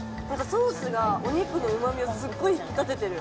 ソースがお肉のうまみをすっごい引き立ててる。